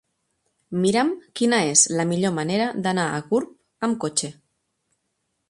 Mira'm quina és la millor manera d'anar a Gurb amb cotxe.